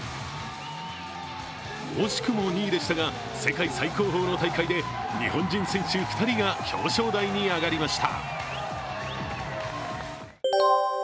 惜しくも２位でしたが、世界最高峰の大会で日本人選手２人が表彰台に上がりました。